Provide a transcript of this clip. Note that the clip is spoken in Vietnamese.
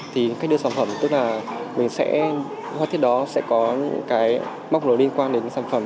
thì cách đưa sản phẩm tức là mình sẽ họa tiết đó sẽ có cái mốc nối liên quan đến sản phẩm